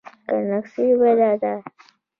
ګنګسي بده ده.